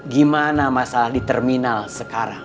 gimana masalah di terminal sekarang